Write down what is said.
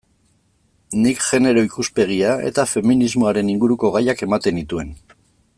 Nik genero ikuspegia eta feminismoaren inguruko gaiak ematen nituen.